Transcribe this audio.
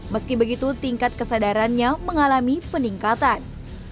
meski begitu tingkat kesadarannya mengalami peningkatan